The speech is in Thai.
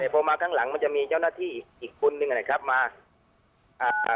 พอมาข้างหลังมันจะมีเจ้าหน้าที่อีกคนนึงนะครับมาอ่า